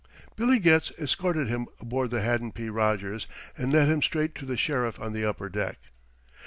Billy Getz escorted him aboard the Haddon P. Rogers and led him straight to the Sheriff on the upper deck.